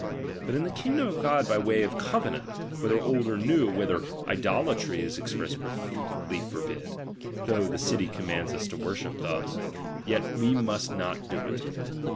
But in the kingdom of God by way of covenant, whether old or new, where idolatry is expressly forbid, though the city commands us to worship thus, yet must we not do it.